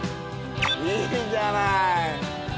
いいじゃない。